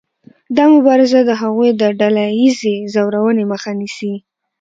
دا مبارزه د هغوی د ډله ایزې ځورونې مخه نیسي.